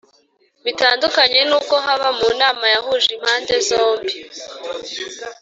bitandukanye n’uko haba mu nama yahuje impande zombi